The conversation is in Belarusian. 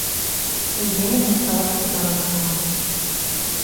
Пазней яна стала капітанам каманды.